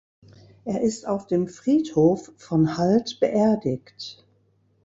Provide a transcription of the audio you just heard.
Er ist auf dem Friedhof von Hald beerdigt.